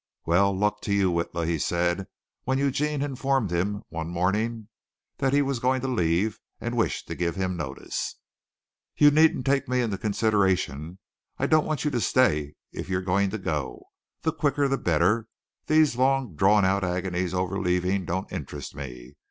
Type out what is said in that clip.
"Well, luck to you, Witla," he said, when Eugene informed him one morning that he was going to leave and wished to give him notice. "You needn't take me into consideration. I don't want you to stay if you're going to go. The quicker the better. These long drawn out agonies over leaving don't interest me.